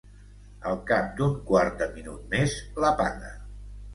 Al cap d'un quart de minut més, l'apaga.